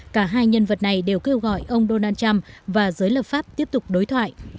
cả hai nhân vật này đều kêu gọi ông donald trump và giới lập pháp tiếp tục đối thoại